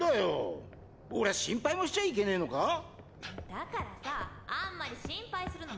だからさあんまり心配するのも。